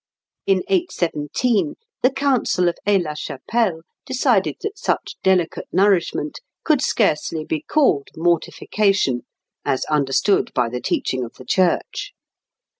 In 817, the Council of Aix la Chapelle decided that such delicate nourishment could scarcely be called mortification as understood by the teaching of the Church.